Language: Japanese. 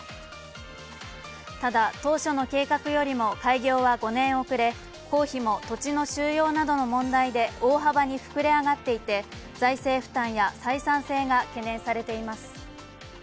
ただ当初の計画よりも開業は５年遅れ公費も土地の収用などの問題で大幅に膨れ上がっていて、財政負担や採算性が懸念されています。